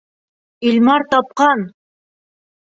Илмар тапҡан!